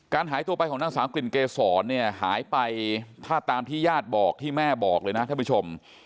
หายตัวไปของนางสาวกลิ่นเกษรเนี่ยหายไปถ้าตามที่ญาติบอกที่แม่บอกเลยนะท่านผู้ชม